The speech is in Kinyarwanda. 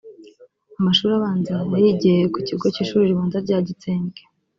Amashuri abanza yayigiye ku kigo cy’ishuri ribanza rya Gitsembwe